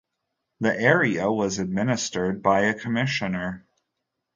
The area was administered by a commissioner.